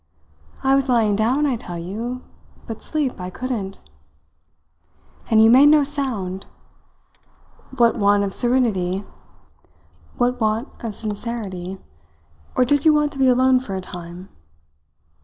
"I was lying down, I tell you, but sleep I couldn't." "And you made no sound! What want of sincerity. Or did you want to be alone for a time?"